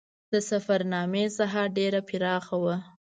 د سفرنامې ساحه ډېره پراخه وه.